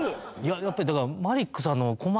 やっぱりだから。